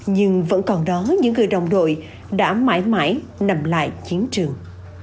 nhưng vẫn còn đó những người đồng đội đã mãi mãi nằm lại chiến trường